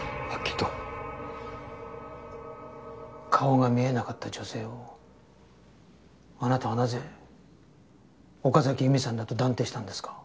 顔が見えなかった女性をあなたはなぜ岡崎由美さんだと断定したんですか？